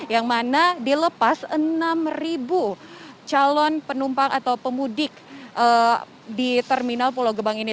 yang mana dilepas enam calon penumpang atau pemudik di terminal pulau gebang ini